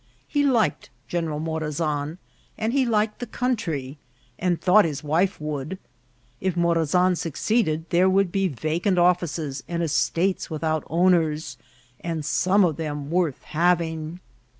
He liked General Morazan, and he liked the country, and thought his wife would ; if Morazan succeeded there would be vacant offices and estates without owners, and some of them worth having.